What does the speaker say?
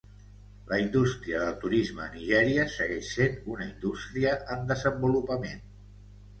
La indústria del turisme a Nigèria segueix sent una indústria en desenvolupament.